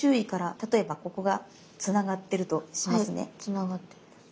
例えばここがつながってるとしますね。